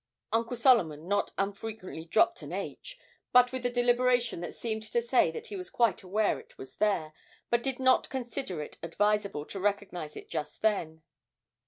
(Uncle Solomon not unfrequently dropped an 'h,' but with a deliberation that seemed to say that he was quite aware it was there, but did not consider it advisable to recognise it just then.)